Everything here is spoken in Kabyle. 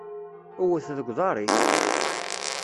Wwet deg uḍar-ik!